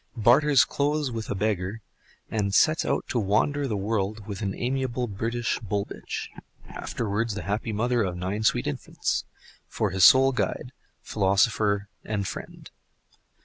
barters clothes with a beggar, and sets out to wander the world with an amiable British bull bitch (afterwards the happy mother of nine sweet infants) for his sole guide, philosopher and friend.